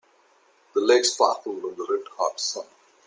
The lake sparkled in the red hot sun.